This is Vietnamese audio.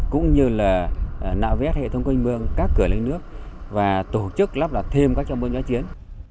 cũng như là nạo vét hệ thống quân bương các cửa lấy nước và tổ chức lắp đặt thêm các trang bộ giáo chiến